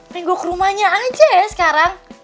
minggu ke rumahnya aja ya sekarang